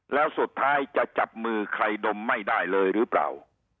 แล้วสุดท้ายจะจับมือใครดมไม่ได้เลยหรือเปล่า